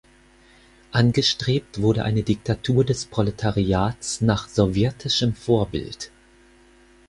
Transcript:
Angestrebt wurde eine Diktatur des Proletariats nach sowjetischem Vorbild.